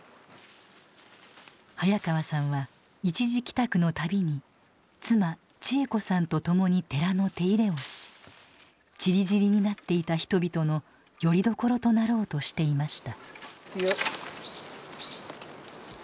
早川さんは一時帰宅の度に妻千枝子さんと共に寺の手入れをしちりぢりになっていた人々のよりどころとなろうとしていました。